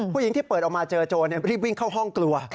ที่เปิดออกมาเจอโจรรีบวิ่งเข้าห้องกลัว